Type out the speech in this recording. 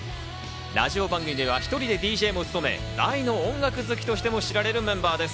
ラジオ番組では１人でＤＪも務め、大の音楽好きとしても知られるメンバーです。